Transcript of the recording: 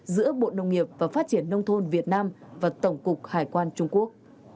giữa bộ nông nghiệp và phát triển nông thôn việt nam và tổng cục hải quan trung quốc